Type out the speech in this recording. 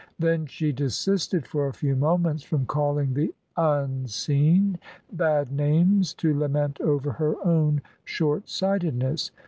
Then she desisted for a few moments from calling the Unseen bad names to lament over her own short sightedness.